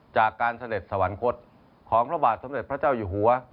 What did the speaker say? เสด็จสวรรคตของพระบาทสมเด็จพระเจ้าอยู่หัว